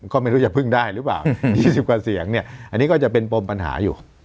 ก็ไม่รู้จะพึ่งได้หรือเปล่า๒๐กว่าเสียงเนี่ยอันนี้ก็จะเป็นปมปัญหาอยู่